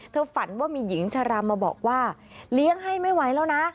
ฝันว่ามีหญิงชะลามาบอกว่าเลี้ยงให้ไม่ไหวแล้วนะ